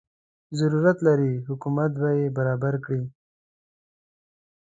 ضرورت لري حکومت به یې برابر کړي.